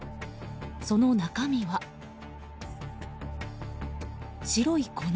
その中身は、白い粉。